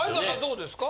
どうですか？